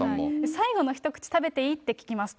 最後の一口食べていい？って聞きますと。